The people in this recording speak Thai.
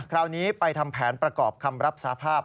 คราวนี้ไปทำแผนประกอบคำรับสาภาพ